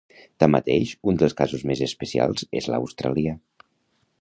Tanmateix, un dels casos més especials és l’australià.